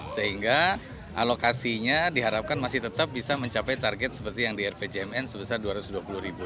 sehingga alokasinya diharapkan masih tetap bisa mencapai target seperti yang di rpjmn sebesar rp dua ratus dua puluh ribu